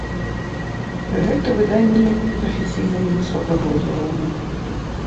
Гэта выданні прафесійна невысокага ўзроўню.